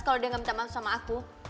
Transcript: kalau dia gak minta maaf sama aku